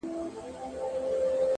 • اوس مي د زړه كورگى تياره غوندي دى،